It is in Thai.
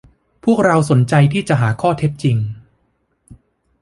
พวกเราสนใจที่จะหาข้อเท็จจริง